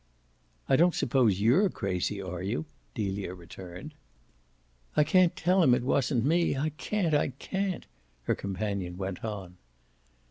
"I don't suppose YOU'RE crazy, are you?" Delia returned. "I can't tell him it wasn't me I can't, I can't!" her companion went on.